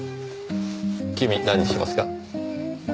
君何にしますか？